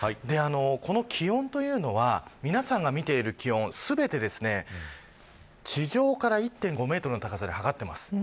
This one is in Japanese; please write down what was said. この気温というのは皆さんが見ている気温全てで地上から１．５メートルの高さで測っています。